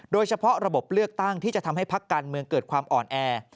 โดยเฉพาะระบบเลือกตั้งที่จะทำให้พักการเมืองเกิดความอ่อนแอ